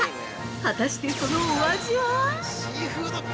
果たして、そのお味は？